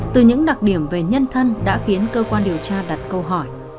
từ những đặc điểm về nhân thân đã khiến cơ quan điều tra đặt câu hỏi